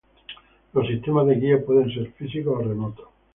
Los sistemas de guía pueden ser físicos o remotos.